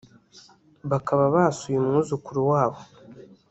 bakaba basuye umwuzukuru wabo